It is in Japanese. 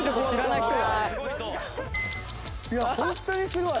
いやホントにすごい！